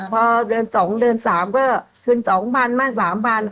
พอเดิน๒เดิน๓ก็ขึ้น๒๐๐๐บาทมาก๓๐๐๐บาท